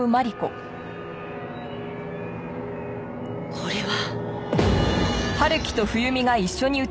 これは！